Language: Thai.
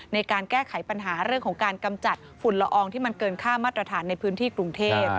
ในการแก้ไขปัญหาเรื่องของการกำจัดฝุ่นละอองที่มันเกินค่ามาตรฐานในพื้นที่กรุงเทพ